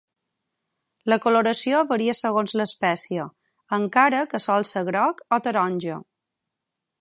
La coloració varia segons l'espècie, encara que sol ser groc o taronja.